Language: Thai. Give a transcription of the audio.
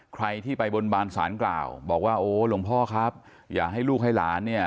ใครที่ไปบนบานสารกล่าวบอกว่าโอ้หลวงพ่อครับอย่าให้ลูกให้หลานเนี่ย